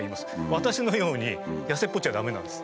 私のように痩せっぽちは駄目なんです。